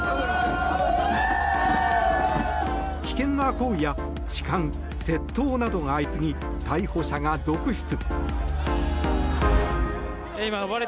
危険な行為や痴漢、窃盗などが相次ぎ逮捕者が続出。